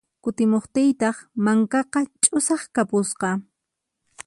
Kutimuqtiytaq mankaqa ch'usaq kapusqa.